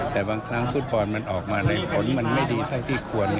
แต่บางครั้งฟุตบอลมันออกมาในผลมันไม่ดีเท่าที่ควร